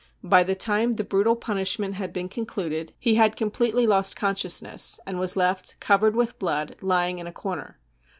By the time the brutal punish ment had been concluded he had completely lost conscious ness, and was left, covered with blood, lying in a corner.